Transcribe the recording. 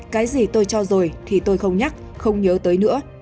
cái gì tôi cho rồi thì tôi không nhắc không nhớ tới nữa